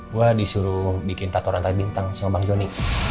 gue disuruh bikin tato rantai bintang sama bang jonny